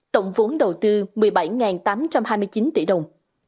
tổng vốn đầu tư một mươi bảy tám trăm hai mươi chín tỷ đồng